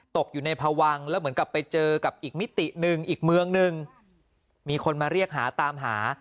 ตกอยู่ในพวังแล้วเหมือนกับไปเจอกับอีกมิติหนึ่งอีกเมืองหนึ่งมีคนมาเรียกหาตามหา